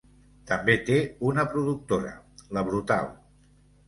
També té una productora la Brutal.